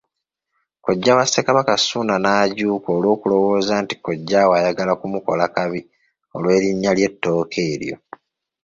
Kojja wa Ssekabaka Ssuuna n’ajuuka olw’okulowooza nti kojjaawe ayagala kumukola kabi olw’erinnya ly’ettooke eryo.